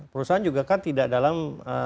perusahaan juga kan tidak dalam